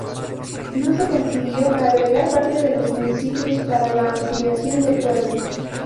No se consiguió agregar parte de los municipios para la ampliación del pueblo.